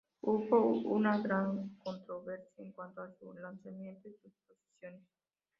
Hubo una gran controversia en cuanto a su lanzamiento y sus posiciones.